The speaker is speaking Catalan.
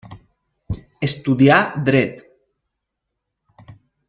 Estudià dret.